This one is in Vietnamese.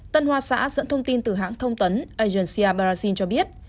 tân hoa xã dẫn thông tin từ hãng thông tấn agencia brasil cho biết